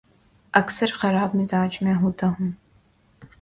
اکثر خراب مزاج میں ہوتا ہوں